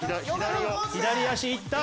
左足いった。